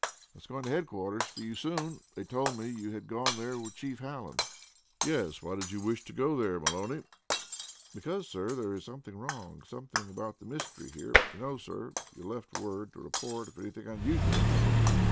I was going to headquarters for you soon, sir; they told me you had gone there with Chief Hallen " "Yes! Why did you wish to go there, Maloney?" "Because, sir, there is something wrong something about the mystery here. You know, sir, you left word to report if anything unusual happened."